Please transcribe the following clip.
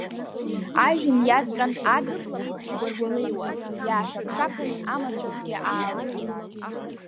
Ажәҩан иаҵҟьан адыд цеит игәаргәалеиуа, иаашаԥшаԥын, амацәысгьы аалакьит.